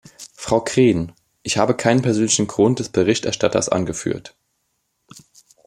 Frau Green, ich habe keinen persönlichen Grund des Berichterstatters angeführt.